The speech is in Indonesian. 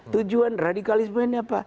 tujuan radikalisme ini apa